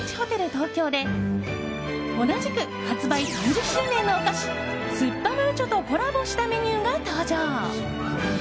東京で同じく発売３０周年のお菓子すっぱムーチョとコラボしたメニューが登場。